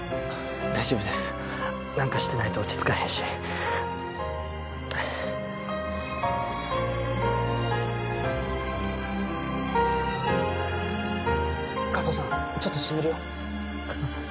大丈夫です何かしてないと落ち着かへんし加藤さんちょっとしみるよ加藤さん